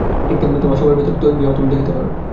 ঠিক তেমনি তোমার স্বামীর মনের ভিতর দিয়াও তুমি দেখিতে পার।